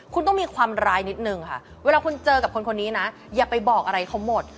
คุณต้องมีความร้ายนิดนึงค่ะเวลาคุณเจอกับคนคนนี้นะอย่าไปบอกอะไรเขาหมด